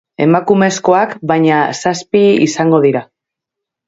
Emakumezkoak, baina, zazpi izango dira.